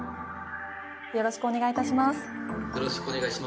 よろしくお願いします。